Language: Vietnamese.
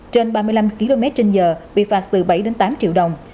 trên ba mươi năm km trên giờ bị phạt từ bảy đến tám triệu đồng